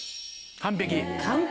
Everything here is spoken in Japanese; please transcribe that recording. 完璧？